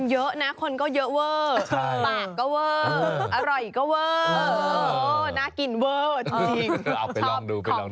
เยอะนะคนก็เยอะเวอร์ปากก็เวอร์อร่อยก็เวอร์น่ากินเวอร์จริง